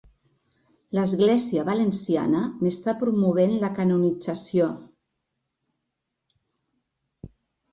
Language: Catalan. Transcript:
L'església valenciana n'està promovent la canonització.